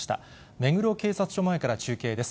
目黒警察署前から中継です。